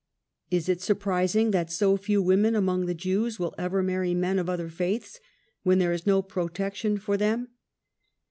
Is it surprising that so few women among the Jews will ever marry men of other faiths when there is no protection for them